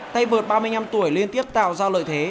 tay vượt ba mươi năm tuổi liên tiếp tạo ra lợi thế